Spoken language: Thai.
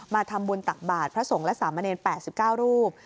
มาทำบุญตักบาทพระสงฆ์และสามเณร๘๙รูป